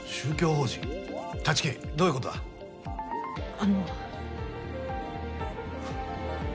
あの。